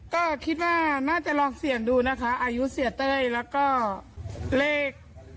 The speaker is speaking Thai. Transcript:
ก็คิดว่าน่าจะลองเสี่ยงดูนะคะอายุเสียเต้ยแล้วก็เลข